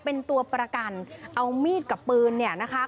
เป็นตัวประกันเอามีดกับปืนเนี่ยนะคะ